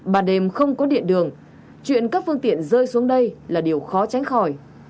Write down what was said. bàn đềm không có điện đường chuyện các phương tiện rơi xuống đây là điều khó tránh khỏi